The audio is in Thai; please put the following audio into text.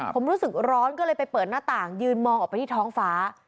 ผมรู้สึกร้อนก็เลยไปเปิดหน้าต่างยืนมองออกไปที่ท้องฟ้า